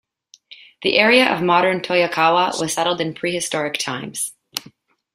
The area of modern Toyokawa was settled in prehistoric times.